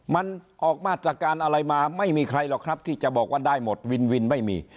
มันออกมาตรการอะไรมาไม่มีใครหรอกครับที่จะบอกว่าได้หมดวินวินไม่มี